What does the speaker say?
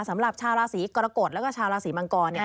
สำหรับชาวราศีกรกฎแล้วก็ชาวราศีมังกร